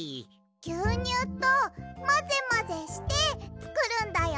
ぎゅうにゅうとまぜまぜしてつくるんだよ。